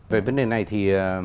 về vấn đề này thì